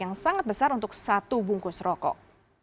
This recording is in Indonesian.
yang sangat besar untuk satu bungkus rokok